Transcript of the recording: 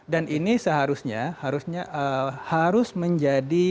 dan ini seharusnya harusnya harus menjadi